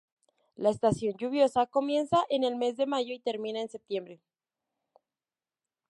La estación lluviosa comienza en el mes de mayo y termina en septiembre.